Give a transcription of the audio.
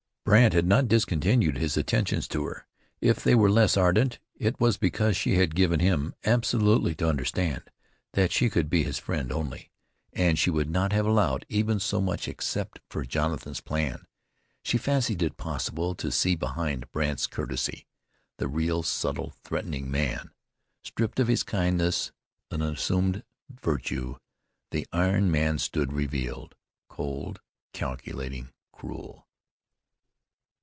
Brandt had not discontinued his attentions to her; if they were less ardent it was because she had given him absolutely to understand that she could be his friend only. And she would not have allowed even so much except for Jonathan's plan. She fancied it was possible to see behind Brandt's courtesy, the real subtle, threatening man. Stripped of his kindliness, an assumed virtue, the iron man stood revealed, cold, calculating, cruel.